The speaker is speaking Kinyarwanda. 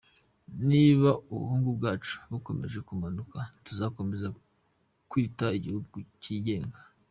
Niba ubukungu bwacu bukomeje kumanuka, tuzakomeza kwita igihugu kigenga ?